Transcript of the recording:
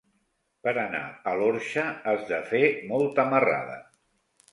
Per anar a l'Orxa has de fer molta marrada.